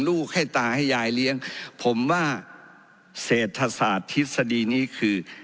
ลูกให้ตาให้ยายเลี้ยงผมว่าเศรษฐศาสตร์ทฤษฎีนี้คือ